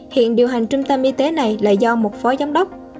hiện điều hành trung tâm y tế này là do một phó giám đốc